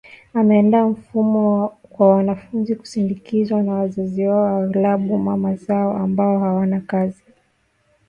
Ameandaa mfumo kwa wanafunzi kusindikizwa na wazazi wao aghlabu mama zao ambao hawana kazi